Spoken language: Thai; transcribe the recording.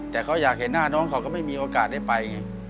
แต่เขาอยากเห็นหน้าน้องเขาก็ไม่มีโอกาสได้ไปไง